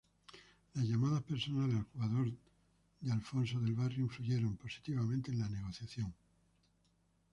Las llamadas personales al jugador de Alfonso del Barrio influyeron positivamente en la negociación.